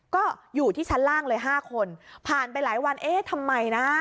ก็อยู่ที่ชั้นล่างเลย๕คนผ่านไปหลายวันเอ๊ะทำไมนะ